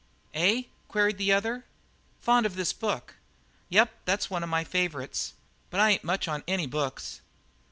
"Eh?" queried the other. "Fond of this book?" "Yep, that's one of my favourites. But I ain't much on any books."